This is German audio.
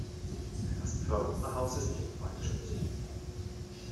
Das Pförtnerhaus ist denkmalgeschützt.